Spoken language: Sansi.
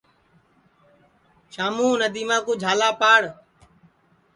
شاموں ندیما کُو جھالا پاڑ